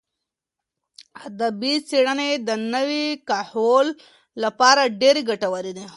ادبي څېړنې د نوي کهول لپاره ډېرې ګټورې دي.